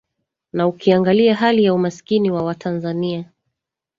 na ukiangalia hali ya umaskini wa watanzania